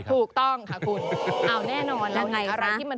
ถูกต้องค่ะคุณ